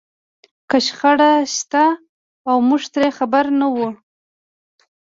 که شخړه شته او موږ ترې خبر نه وو.